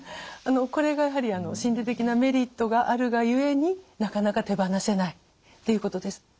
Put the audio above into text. これがやはり心理的なメリットがあるがゆえになかなか手放せないっていうことです。